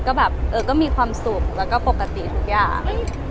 ก็มีความสุขและปกติทุกอย่าง